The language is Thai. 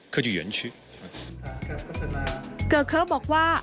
เกอเค้อบอกว่า